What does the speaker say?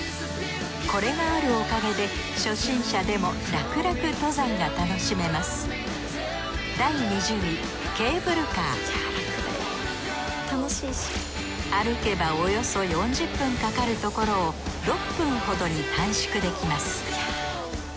これがあるおかげで初心者でもらくらく登山が楽しめます歩けばおよそ４０分かかるところを６分ほどに短縮できます。